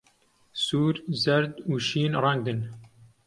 سوور، زەرد، و شین ڕەنگن.